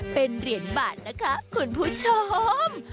เป็นเหรียญบาทนะคะคุณผู้ชม